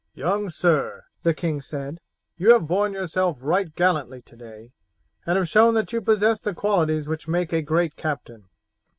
"Young sir," the king said, "you have borne yourself right gallantly today, and have shown that you possess the qualities which make a great captain.